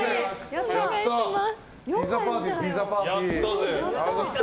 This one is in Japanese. ピザパーティー！